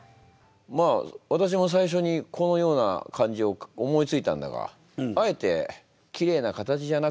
まあ私も最初にこのような感じを思いついたんだがあえてきれいな形じゃなくて崩した感じ